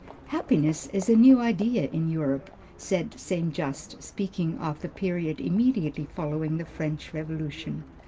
"Happiness is a new idea in Europe," said St. Just, speaking of the period immediately following the French Revolution.